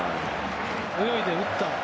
泳いで打った。